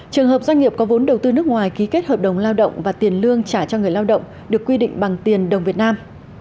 trường hợp doanh nghiệp có vốn đầu tư nước ngoài ký kết hợp đồng lao động và tiền lương trả cho người lao động được quy định bằng tiền đồng việt nam